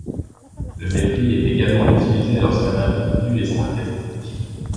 Le mépris est également utilisé lorsqu'un individu est sarcastique.